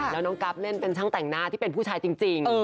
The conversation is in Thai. แล้วน้องกั๊บเล่นเป็นช่างแต่งหน้าที่เป็นผู้ชายจริง